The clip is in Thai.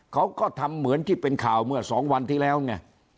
เขาก็ทำเหมือนที่เป็นข่าวเมื่อสองวันที่แล้วไง